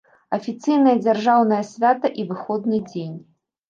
Афіцыйнае дзяржаўнае свята і выходны дзень.